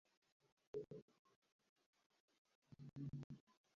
Belingiz qayishib topmaganingizdan keyin joningiz achimaydi-da, kelinposhsha!